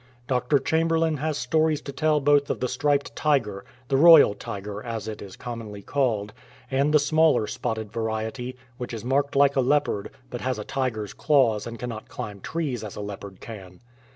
Dr. Chamberlain has stories to tell both of the striped tiger, the royal tiger as it is commonly called, and the smaller spotted variety, which is marked like a leopard, but has a tiger's claws and cannot climb trees as a leopard can.